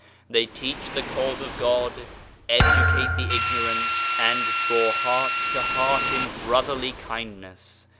They teach the Cause of God, educate the ignorant, and draw heart to heart in brotherly kindness.